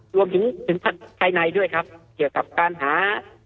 รวมถึงภายในด้วยครับเกี่ยวกับการหา